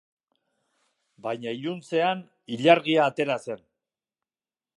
Baina iluntzean ilargia atera zen.